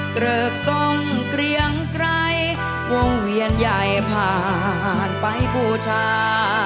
เกริกกล้องเกรียงไกรวงเวียนใหญ่ผ่านไปบูชา